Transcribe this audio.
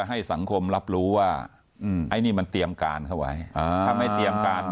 ให้สังคมรับรู้ว่าไอ้นี่มันเตรียมการเข้าไว้ถ้าไม่เตรียมการ